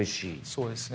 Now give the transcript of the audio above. そうですね。